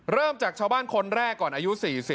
เริ่มจากชาวบ้านคนแรกก่อนอายุ๔๐